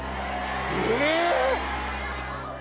え！